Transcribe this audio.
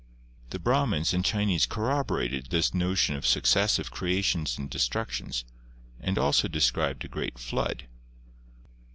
The Brahmins and Chinese corroborated this notion of successive creations and destructions and also described a great flood.